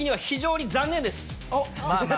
非常に残念です。